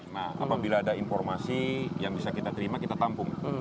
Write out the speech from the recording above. nah apabila ada informasi yang bisa kita terima kita tampung